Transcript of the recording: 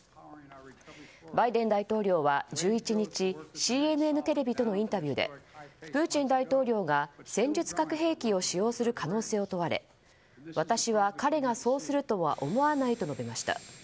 バイデン大統領は１１日ＣＮＮテレビとのインタビューでプーチン大統領が戦術核兵器を使用する可能性を問われ私は彼がそうするとは思わないと述べました。